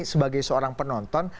sebagai seorang penonton